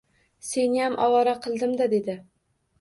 Seniyam ovora qildim-da, dedi